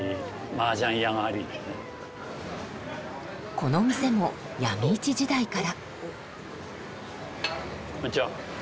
この店も闇市時代から。